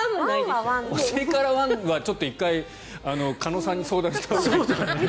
お尻からワンは鹿野さんに相談したほうがいい。